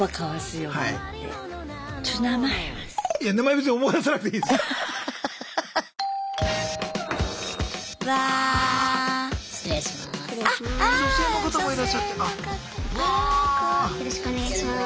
よろしくお願いします。